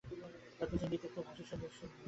তার পিছন দিকে খুব একটা হাসির ধ্বনি উঠল।